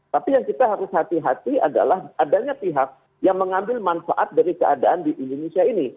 tapi yang kita harus hati hati adalah adanya pihak yang mengambil manfaat dari keadaan di indonesia ini